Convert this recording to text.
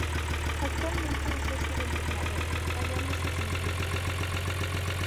Actualmente ejerce de entrenador, hallándose sin club.